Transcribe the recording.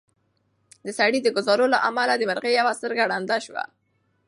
د سړي د ګوزار له امله د مرغۍ یوه سترګه ړنده شوه.